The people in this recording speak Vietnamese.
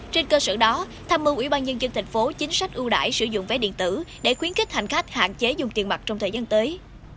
trên cơ sở đó tham mưu ủy ban nhân dân tp chính sách ưu đại sử dụng vé điện tử để khuyến kích hành khách hạn chế dùng tiền mặt trong thời gian tới